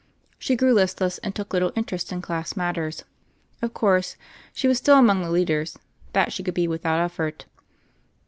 She grew listless, and took little interest in class matters. Of course, she was still among the leaders : that she could be without effort.